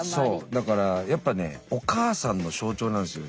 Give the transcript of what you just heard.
だからやっぱねお母さんの象徴なんですよ